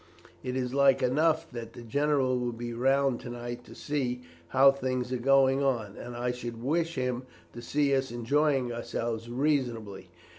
It is like enough that the general will be round to night to see how things are going on, and I should wish him to see us enjoying ourselves reasonably.